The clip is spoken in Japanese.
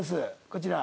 こちら。